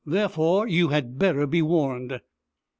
Therefore, you had better be warned."